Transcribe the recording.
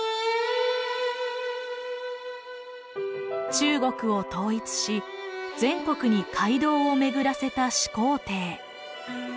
中国を統一し全国に街道を巡らせた始皇帝。